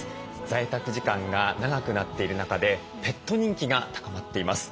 在宅時間が長くなっている中でペット人気が高まっています。